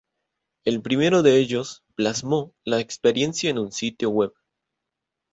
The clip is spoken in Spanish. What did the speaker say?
El primero de ellos plasmó la experiencia en un sitio web.